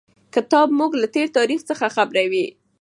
کتاب موږ له تېر تاریخ څخه خبروي.